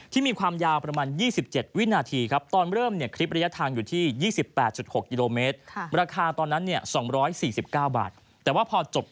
ที่มีความยาวประมาณ๒๗วินาทีครับ